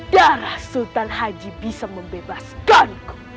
darah sultan haji bisa membebaskanku